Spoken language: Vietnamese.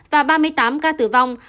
và ba mươi tám ca tử vong